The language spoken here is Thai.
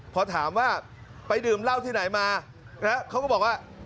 พอถามว่าไปดื่มเหล้าที่ไหนมานะเขาก็บอกว่า